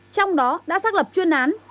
trong đó đã xác lập chuyên án